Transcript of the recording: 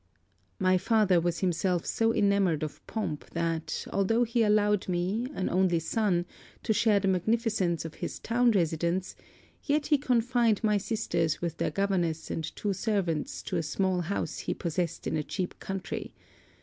'My father was himself so enamoured of pomp that, although he allowed me, an only son, to share the magnificence of his town residence, yet he confined my sisters with their governess and two servants to a small house he possessed in a cheap country.